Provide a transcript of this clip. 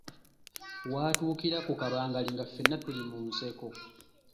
W’atuukira ku Kabangali ffenna nga tuli mu nseko.